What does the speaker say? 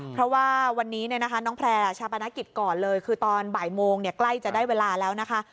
เพราะว่าวันนี้น้องแพร่ชาปนกิจก่อนเลยคือตอนบ่ายโมงใกล้จะได้เวลาแล้วนะคะ